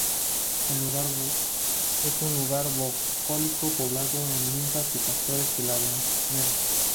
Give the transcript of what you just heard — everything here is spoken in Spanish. Es un lugar bucólico, poblado de ninfas y pastores que la veneran.